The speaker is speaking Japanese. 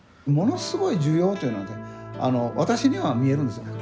ものすごい需要というのが私には見えるんです。